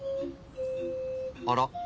あら？